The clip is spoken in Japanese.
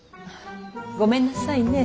ごめんなさいね。